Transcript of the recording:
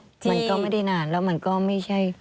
มันก็ไม่ได้นานแล้วมันก็ไม่ใช่